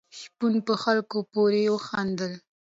شپون په خلکو پورې وخندل.